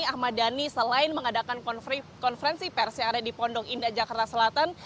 ahmad dhani selain mengadakan konferensi pers yang ada di pondok indah jakarta selatan